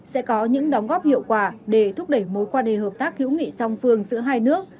sẽ có những đóng góp hiệu quả để thúc đẩy mối quan hệ hợp tác hữu nghị song phương giữa hai nước